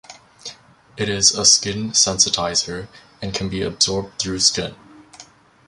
It is a skin sensitizer and can be absorbed through skin.